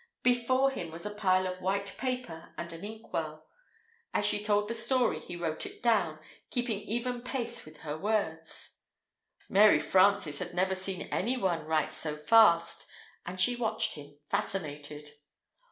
Before him was a pile of white paper and an inkwell. As she told the story he wrote it down, keeping even pace with her words. Mary Frances had never seen any one write so fast and she watched him, fascinated.